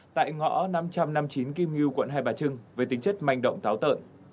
tại ngõ năm trăm năm mươi chín kim ngu quận hai bà trưng với tính chất manh động táo tợn